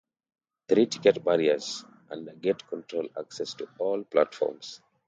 Three ticket barriers and a gate control access to all platforms.